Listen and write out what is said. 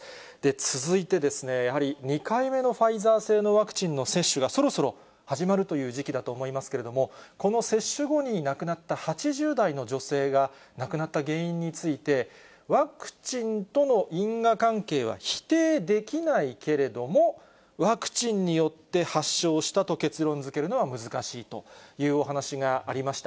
続いて、やはり２回目のファイザー社製のワクチンの接種が、そろそろ始まるという時期だと思いますけれども、この接種後に亡くなった８０代の女性が、亡くなった原因について、ワクチンとの因果関係は否定できないけれども、ワクチンによって発症したと結論づけるのは難しいというお話がありました。